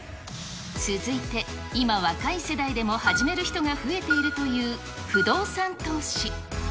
続いて、今若い世代でも始める人が増えているという、不動産投資。